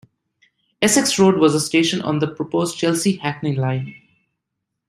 Essex Road was a station on the proposed Chelsea-Hackney line.